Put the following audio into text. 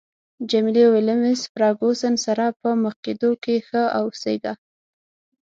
جميلې وويل: له مېس فرګوسن سره په مخ کېدو کې ښه اوسیږه.